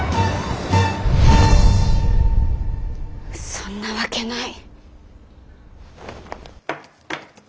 そんなわけない。